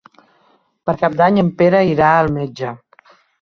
Per Cap d'Any en Pere irà al metge.